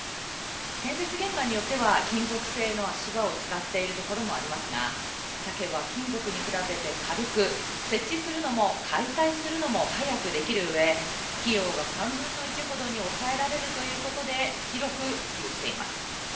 建設現場によっては金属製の足場を使っているところもありますが竹は金属に比べて軽く設置するのも解体するのも早くできるうえ費用が３分の１程に抑えられるということで広く普及しています。